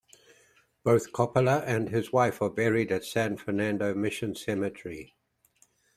Both Coppola and his wife are buried at San Fernando Mission Cemetery.